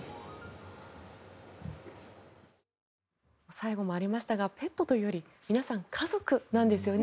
最後もありましたがペットというより皆さん家族なんですよね。